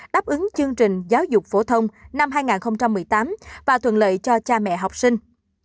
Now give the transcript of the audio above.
đáp ứng chương trình giáo dục phổ thông năm hai nghìn một mươi tám và thuận lợi cho cha mẹ học sinh